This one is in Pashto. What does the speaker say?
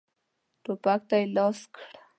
ټوپک ته یې لاس کړ.